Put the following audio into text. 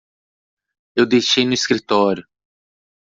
Eu deixei no escritório.